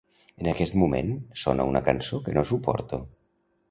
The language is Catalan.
En aquest moment sona una cançó que no suporto.